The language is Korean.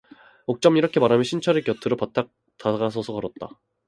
옥점이는 이렇게 말하며 신철의 곁으로 바싹 다가서서 걸었다.